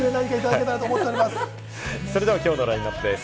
それではきょうのラインナップです。